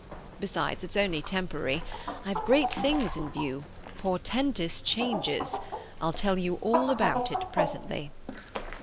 Besides, it's only temporary. I have great things in view—portentous changes! I'll tell you all about it presently."